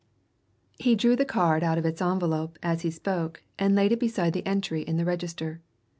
He drew the card out of its envelope as he spoke and laid it beside the entry in the register.